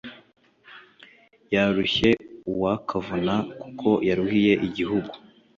Yarushye uwa Kavuna Kuko yaruhiye igihugu,